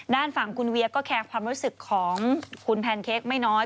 ด้านฝั่งคุณเวียก็แคร์ความรู้สึกของคุณแพนเค้กไม่น้อย